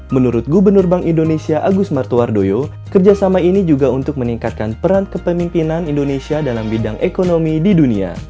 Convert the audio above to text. menurut gubernur bank indonesia agus martuardoyo kerjasama ini juga untuk meningkatkan peran kepemimpinan indonesia dalam bidang ekonomi di dunia